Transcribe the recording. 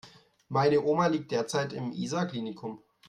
Meine Oma liegt derzeit im Isar Klinikum.